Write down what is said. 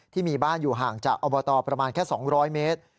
ที่มีบ้านอยู่ห่างจากอบตประมาณแค่๒๐๐เมตร